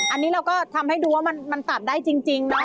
อันนี้เราก็ทำให้ดูว่ามันตัดได้จริงนะ